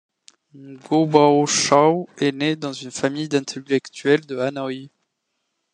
Ngô Bảo Châu est né dans une famille d'intellectuels de Hanoi.